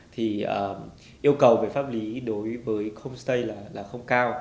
thì yêu cầu về pháp lý đối với homestay là không cao